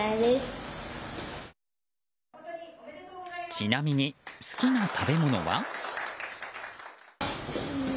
ちなみに好きな食べ物は？